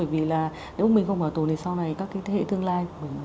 và nếu mình không bảo tồn thì sau này các cái thế hệ tương lai của mình